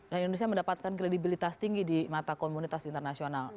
dan indonesia mendapatkan kredibilitas tinggi di mata komunitas internasional